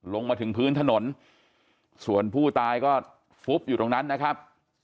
ลงมาถึงพื้นถนนส่วนผู้ตายก็ฟุบอยู่ตรงนั้นนะครับ